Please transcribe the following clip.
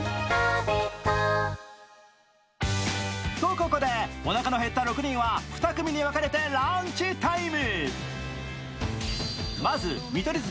ここで、おなかの減った６人は２組に分かれてランチタイム。